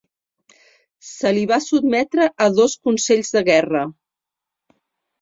Se li va sotmetre a dos consells de guerra.